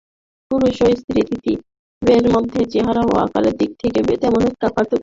পুরুষ ও স্ত্রী তিতিরের মধ্যে চেহারা ও আকারের দিক থেকে তেমন একটা পার্থক্য নেই।